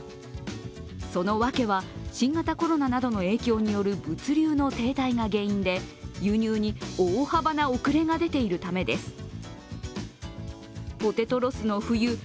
そのわけは、新型コロナなどの影響による物流の停止が原因で輸入に大幅な遅れが出ているためです。